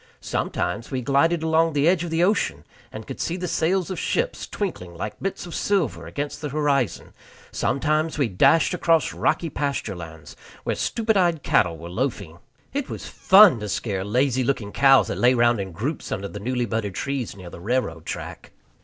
Sometimes we glided along the edge of the ocean, and could see the sails of ships twinkling like bits of silver against the horizon; sometimes we dashed across rocky pasture lands where stupid eyed cattle were loafing. It was fun to scare lazy looking cows that lay round in groups under the newly budded trees near the railroad track.